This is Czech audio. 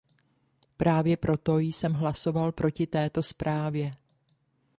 Právě proto jsem hlasoval proti této zprávě.